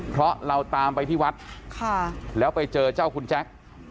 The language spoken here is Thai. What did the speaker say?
เพราะเราตามไปที่วัดแล้วไปเจอเจ้าคุณแจ๊ค